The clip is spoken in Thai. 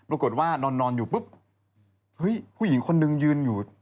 นอนอยู่ปุ๊บเฮ้ยผู้หญิงคนนึงยืนอยู่